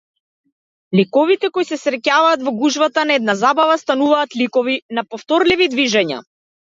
Ликовите кои се среќаваат во гужвата на една забава стануваат ликови на повторливи движења.